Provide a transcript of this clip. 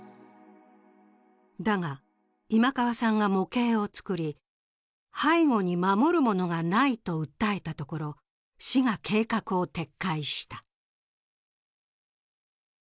だが、今川さんが模型を作り、背後に守るものがないと訴えたところ、市が計画を撤回した。